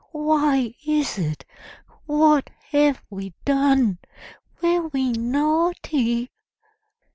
Why is it? What have we done? Were we naughty?'